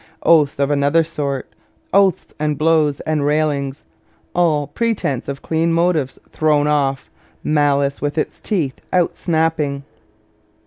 Oaths of another sort oaths and blows and railings all pretence of clean motives thrown off malice with its teeth out snapping!